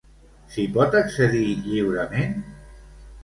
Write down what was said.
S'hi pot accedir lliurement?